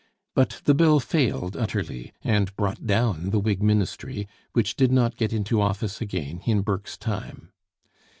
But the bill failed utterly, and brought down the Whig ministry, which did not get into office again in Burke's time.